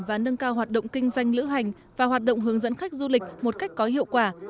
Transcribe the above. và nâng cao hoạt động kinh doanh lữ hành và hoạt động hướng dẫn khách du lịch một cách có hiệu quả